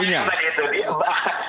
terima kasih kira kira begitu bang andi